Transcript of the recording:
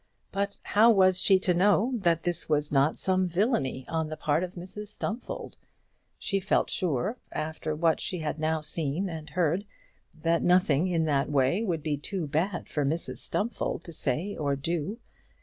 But how was she to know that this was not some villainy on the part of Mrs Stumfold? She felt sure, after what she had now seen and heard, that nothing in that way would be too bad for Mrs Stumfold to say or do.